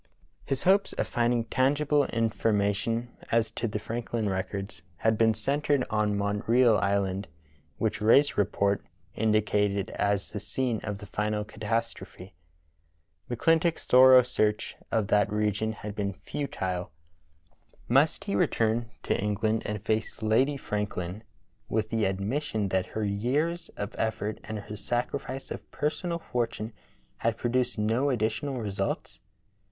His hopes of finding tangible information as to the Franklin records had been centred on Montreal Island, which Rae's report (p. 139) indicated as the scene of the final catastrophe. McClintock's thorough search of that region had been futile. Must he return to England and face Lady Franklin with the admission that her years of effort and her sacrifice of personal fortune had produced no additional results.?